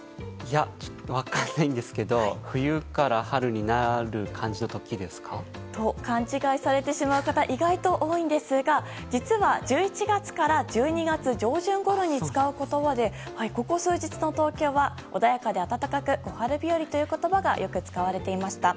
ちょっと分からないんですけど冬から春になる感じの時ですか？と勘違いされてしまう方が意外と多いんですが実は１１月から１２月上旬ごろに使う言葉でここ数日の東京は穏やかで暖かく小春日和という言葉がよく使われていました。